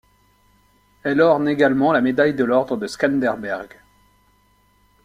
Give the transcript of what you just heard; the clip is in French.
Elle orne également la médaille de l'ordre de Skanderbeg.